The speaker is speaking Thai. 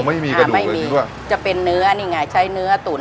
ไม่มีกระดูกเลยคิดว่าไม่มีจะเป็นเนื้อนี่ไงใช้เนื้อตุ๋น